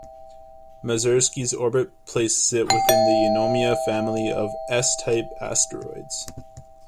Masursky's orbit places it within the Eunomia family of S-type asteroids.